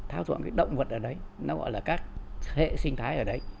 xáo trộn cái động vật ở đấy nó gọi là các hệ sinh thái ở đấy